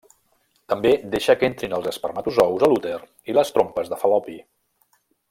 També deixa que entrin els espermatozous a l'úter i les trompes de Fal·lopi.